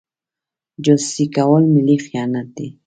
جاسوسي کول ملي خیانت دی.